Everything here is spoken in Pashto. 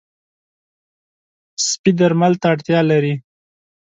سپي درمل ته اړتیا لري.